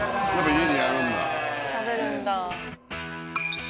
食べるんだ。